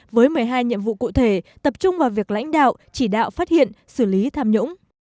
với một mươi hai nhiệm vụ cụ thể tập trung vào việc lãnh đạo chỉ đạo phát hiện xử lý tham nhũng